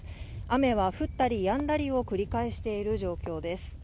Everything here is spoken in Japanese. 雨は降ったりやんだりを繰り返している状況です。